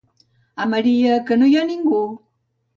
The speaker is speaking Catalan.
Ah, Maria, que no hi ha ningú?